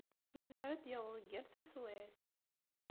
Yezmer ad d-yaweḍ deg yal taswiɛt.